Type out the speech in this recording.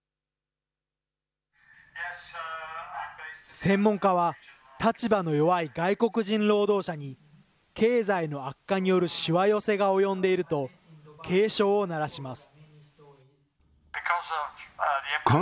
専門家は、立場の弱い外国人労働者に、経済の悪化によるしわ寄せが及んでいると、警鐘を鳴らします。